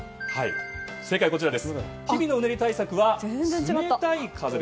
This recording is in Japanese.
正解は日々のうねり対策は冷たい風で。